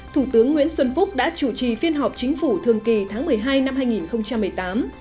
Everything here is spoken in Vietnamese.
thủ tướng nguyễn xuân phúc đã chủ trì phiên họp chính phủ thường kỳ tháng một mươi hai năm hai nghìn một mươi tám